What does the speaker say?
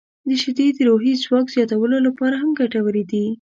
• شیدې د روحي ځواک زیاتولو لپاره هم ګټورې دي.